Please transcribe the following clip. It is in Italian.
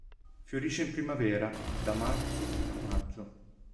Fiorisce in primavera, da marzo a maggio.